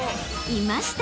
［いました！